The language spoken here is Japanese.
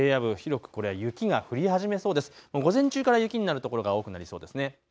午前中から雪になる所が多くなりそうですね。